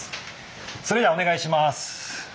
それじゃお願いします。